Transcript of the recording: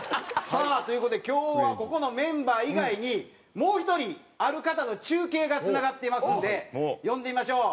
さあという事で今日はここのメンバー以外にもう一人ある方の中継が繋がっていますので呼んでみましょう。